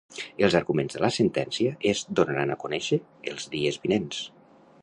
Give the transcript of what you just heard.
Els arguments de la sentència es donaran a conèixer els dies vinents.